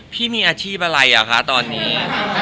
พี่มีอาชีพอะไรอ่ะคะตอนนี้